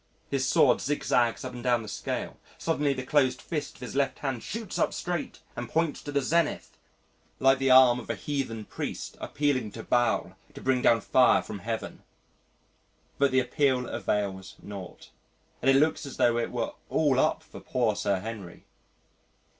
His sword zigzags up and down the scale suddenly the closed fist of his left hand shoots up straight and points to the zenith like the arm of a heathen priest appealing to Baal to bring down fire from Heaven.... But the appeal avails nought and it looks as tho' it were all up for poor Sir Henry.